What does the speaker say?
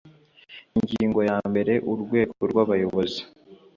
ingingo ya mbere urwego rw abayobozi